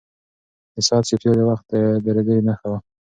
د ساعت چوپتیا د وخت د درېدو نښه وه.